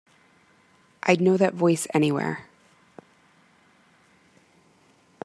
I'd know that voice anywhere.